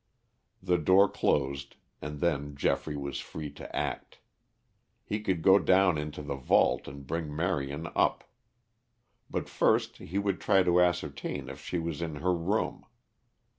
The door closed and then Geoffrey was free to act. He could go down into the vault and bring Marion up. But first he would try to ascertain if she was in her room.